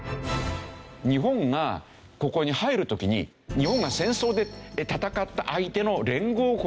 日本がここに入る時に「日本が戦争で戦った相手の連合国に日本が入るの？」